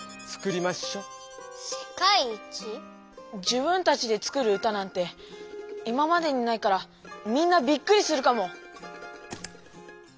「自分たちで作る歌」なんて今までにないからみんなびっくりするかも！